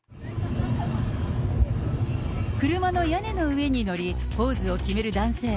車の屋根の上に乗り、ポーズを決める男性。